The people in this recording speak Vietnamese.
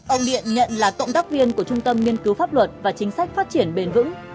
ông điện nhận là cộng tác viên của trung tâm nghiên cứu pháp luật và chính sách phát triển bền vững